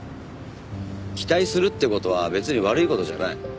期待するって事は別に悪い事じゃない。